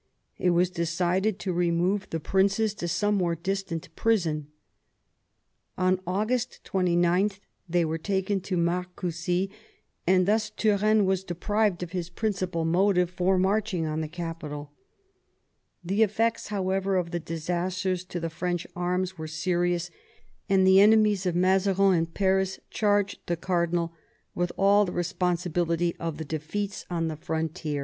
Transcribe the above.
It was decided to remove the princes to some more distant prison. On August 29 they were taken to Marcoussis, and thus Turenne was deprived of his principal motive for marching on the capital The effects, however, of the disasters to the French arms were serious, and the enemies of Mazarin in Paris charged the cardinal with all the responsibility of the defeats on the frontier.